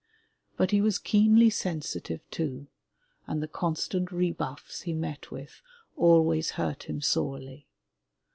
But he was keenly sen sitive, too, and the constant rebuffs he met with always hurt him sorely.